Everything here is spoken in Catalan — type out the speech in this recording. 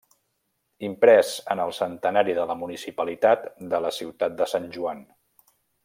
Imprès en el centenari de la municipalitat de la ciutat de Sant Joan.